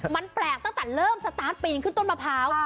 มันแปลกตั้งแต่เริ่มสตาร์ทปีนขึ้นต้นมะพร้าว